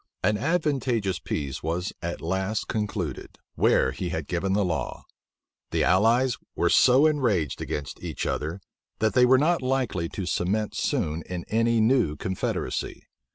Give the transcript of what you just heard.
An advantageous peace was at last concluded, where he had given the law. The allies were so enraged against each other, that they were not likely to cement soon in any new confederacy.